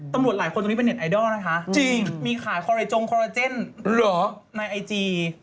ตำรวจหลายคนตรงนี้เป็นเน็ตไอดอลนะคะมีขายคอลลายจงคอลลายเจนในไอจี